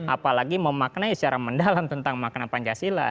apalagi memaknai secara mendalam tentang makna pancasila